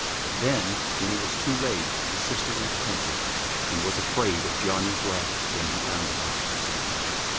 Then, when it was too late, the sister repented, and was afraid of Janni's wrath when he found it out.